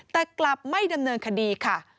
แต่กลับไม่ดำเนินคดีค่ะ